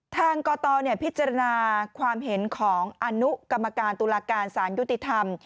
กตพิจารณาความเห็นของอนุกรรมการตุลาการสารยุติธรรม